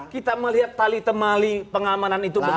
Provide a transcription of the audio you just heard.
kita melihat tali temali pengamanan itu betul